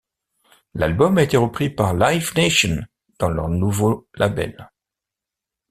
L'album a été repris par Live Nation pour leur nouveau label.